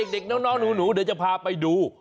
เด็กน้องหนูเดี๋ยวจะพาไปดู